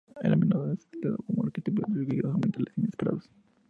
A menudo es citada como arquetipo de los giros argumentales inesperados.